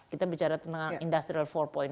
kita bicara tentang industrial empat